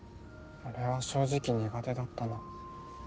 俺は正直苦手だったな。